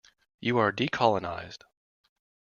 You are decolonized.